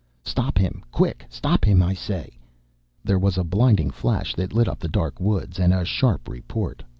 Stop him! Quick! Stop him, I say!" There was a blinding flash that lit up the dark woods, and a sharp report!